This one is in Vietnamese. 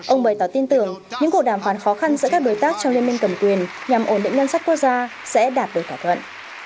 ông bày tỏ tin tưởng những cuộc đàm phán khó khăn giữa các đối tác trong liên minh cầm quyền nhằm ổn định ngân sách quốc gia sẽ đạt được thỏa thuận